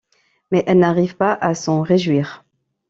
Mais elle n'arrive pas à s'en réjouir.